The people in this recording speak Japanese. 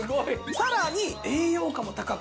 さらに栄養価も高くてですね